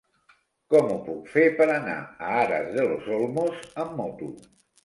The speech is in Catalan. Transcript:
Com ho puc fer per anar a Aras de los Olmos amb moto?